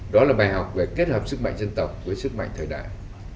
đó là bài học về kết hợp sức mạnh dân tộc với sức mạnh thời đại